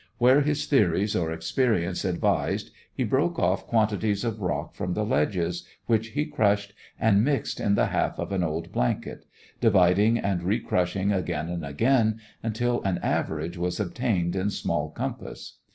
Where his theories or experience advised, he broke off quantities of rock from the ledges, which he crushed and mixed in the half of an old blanket; dividing, and recrushing again and again, until an "average" was obtained in small compass.